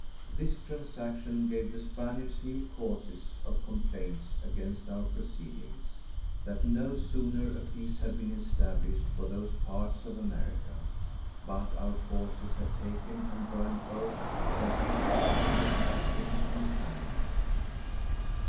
_This transaction gave the Spaniards new causes of complaints against our proceedings, that no sooner a Peace had been established for those parts of_ America, but our forces had taken and burnt both Chagre, St. Catherine, and Panama.